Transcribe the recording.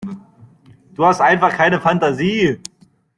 Du hast einfach keine Fantasie.